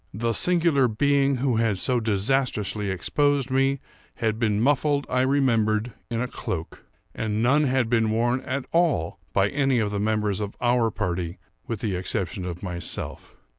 The singular being who had so disastrously exposed me, had been muffled, I remembered, in a cloak; and none had been worn at all by any of the members of our party with the exception of myself.